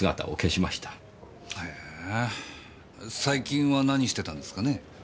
最近は何してたんですかね？